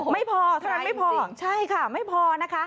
ไม่พอเท่านั้นไม่พอใช่ค่ะไม่พอนะคะ